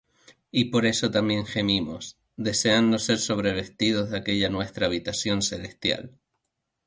Y por esto también gemimos, deseando ser sobrevestidos de aquella nuestra habitación celestial;